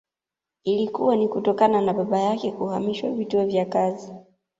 Ilikuwa ni kutokana na baba yake kuhamishwa vituo vya kazi